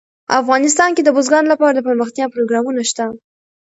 افغانستان کې د بزګان لپاره دپرمختیا پروګرامونه شته.